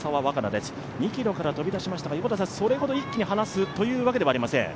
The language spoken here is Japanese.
２ｋｍから飛び出しましたが、それほど一気に離すというわけではありません。